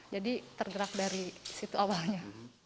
jadi tergerak dari situ awalnya